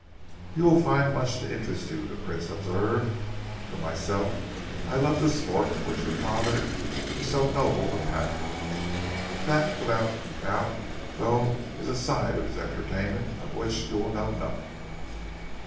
"You will find much to interest you," the Prince observed. "For myself, I love the sport of which your father is so noble a patron. That, without doubt, though, is a side of his entertainment of which you will know nothing."